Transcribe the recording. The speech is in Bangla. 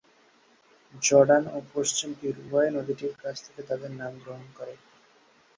জর্ডান ও পশ্চিম তীর উভয়ই নদীটির কাছ থেকে তাদের নাম গ্রহণ করে।